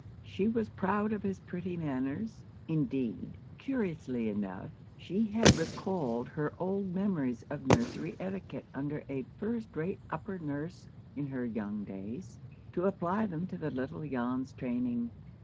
She was proud of his pretty manners. Indeed, curiously enough, she had recalled her old memories of nursery etiquette under a first rate upper nurse in "her young days," to apply them to the little Jan's training.